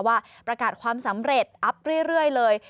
ว่าประกาศความสำเร็จอัพเรื่อยเลย